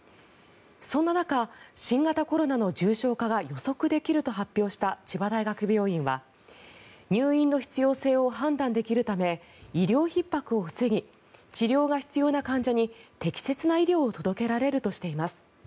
そんな中、新型コロナの重症化が予測できると発表した千葉大学病院は入院の必要性を判断できるため医療ひっ迫を防ぎ治療が必要な患者に適切な医療を届けられるとしています。